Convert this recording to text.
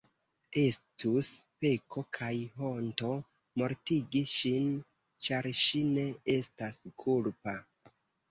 Estus peko kaj honto mortigi ŝin, ĉar ŝi ne estas kulpa.